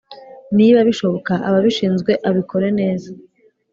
Niba bishoboka ababishinzwe abikore neza